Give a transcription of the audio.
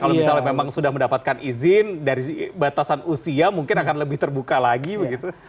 kalau misalnya memang sudah mendapatkan izin dari batasan usia mungkin akan lebih terbuka lagi begitu